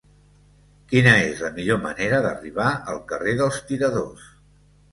Quina és la millor manera d'arribar al carrer dels Tiradors?